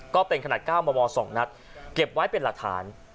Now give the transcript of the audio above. ก็เป็นขนาด๙มม๒นัดเก็บไว้เป็นหลักฐาน